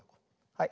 はい。